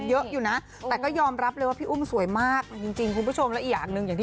เยอะอยู่นะแต่ก็ยอมรับเลยว่าพี่อุ้มสวยมากคุณผู้ชมอย่างนึงอย่าง